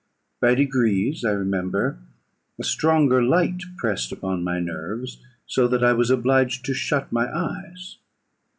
By degrees, I remember, a stronger light pressed upon my nerves, so that I was obliged to shut my eyes.